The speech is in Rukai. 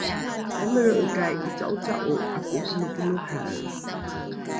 mamelre’ekai ’ica’oca’o ’ako’oponoponohae?